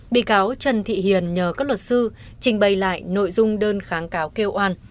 bị cáo trần thị hiền nhờ các luật sư trình bày lại nội dung đơn kháng cáo kêu oan